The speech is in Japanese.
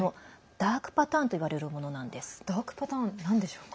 ダークパターンとはなんでしょうか。